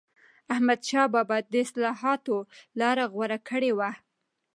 احمدشاه بابا د اصلاحاتو لاره غوره کړې وه.